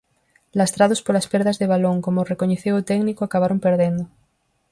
Lastrados polas perdas de balón, como recoñeceu o técnico, acabaron perdendo.